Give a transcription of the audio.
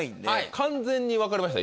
完全に分かりました？